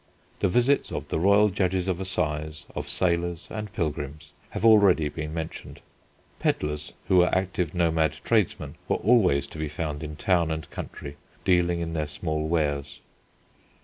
The visits of the royal judges of assize, of sailors and pilgrims, have already been mentioned. Pedlars, who were active nomad tradesmen, were always to be found in town and country dealing in their small wares.